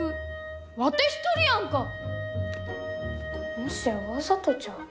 もしやわざとちゃうか？